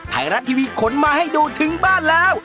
ไทยรัฐทีวีขนมาให้ดูถึงบ้านแล้ว